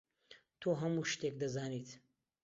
تۆ هەموو شتێک دەزانیت.